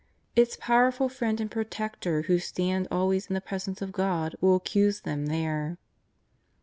Its powerful friend and pro tector who stands always in the Presence of God will accuse them there.